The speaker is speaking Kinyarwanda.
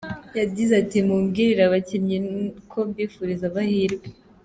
Yagize ati “Mumbwirire abakinnyi ko mbifuriza amahirwe.